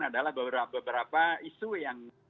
adalah beberapa isu yang